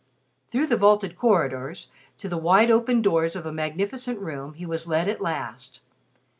Through the vaulted corridors, to the wide opened doors of a magnificent room he was led at last.